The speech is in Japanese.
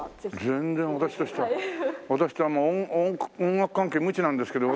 全然私としては。私は音楽関係無知なんですけど。